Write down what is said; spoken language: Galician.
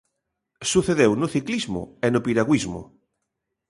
Sucedeu no ciclismo e no piragüismo.